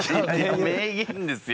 名言ですよ。